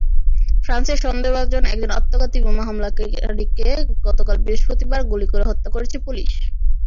ফ্রান্সে সন্দেহভাজন একজন আত্মঘাতী বোমা হামলাকারীকে গতকাল বৃহস্পতিবার গুলি করে হত্যা করেছে পুলিশ।